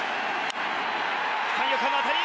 三遊間の当たり！